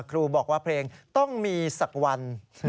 ครูบอกว่าเพลงต้องมีสักวัน